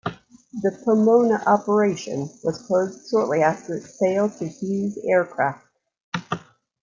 The Pomona operation was closed shortly after its sale to Hughes Aircraft.